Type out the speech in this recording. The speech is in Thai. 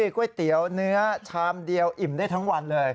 ก๋วยเตี๋ยวเนื้อชามเดียวอิ่มได้ทั้งวันเลย